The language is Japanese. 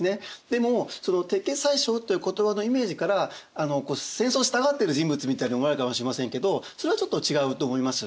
でも鉄血宰相という言葉のイメージから戦争したがってる人物みたいに思われるかもしれませんけどそれはちょっと違うと思います。